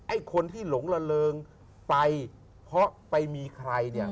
ไอ้คนที่หลงละเริงไปเพราะไปมีใครเนี่ย